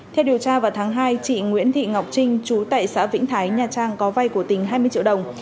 theo điều tra vào tháng hai chị nguyễn thị ngọc trinh trú tại xã vĩnh thái nha trang có vay của tỉnh hai mươi triệu đồng